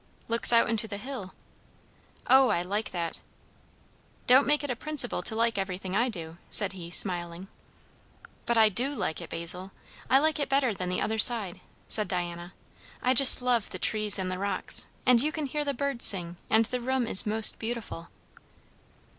"Looks out into the hill." "O, I like that." "Don't make it a principle to like everything I do," said he, smiling. "But I do like it, Basil; I like it better than the other side," said Diana. "I just love the trees and the rocks. And you can hear the birds sing. And the room is most beautiful."